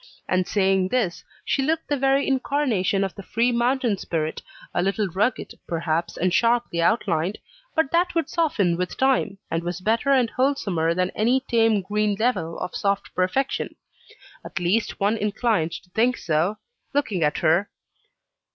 And saying this, she looked the very incarnation of the free mountain spirit a little rugged, perhaps, and sharply outlined; but that would soften with time, and was better and wholesomer than any tame green level of soft perfection. At least, one inclined to think so, looking at her.